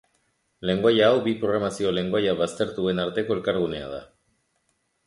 Lengoaia hau bi programazio lengoaia baztertuen arteko elkargunea da.